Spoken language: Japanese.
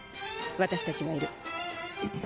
私たちがいる。